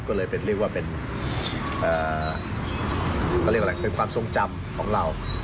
ก็เลยเป็นเรียกว่าเป็นเขาเรียกอะไรเป็นความทรงจำของเรา